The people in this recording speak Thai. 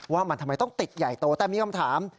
ว่ามันทำไมต้องติดใหญ่โตแต่มีคำถาม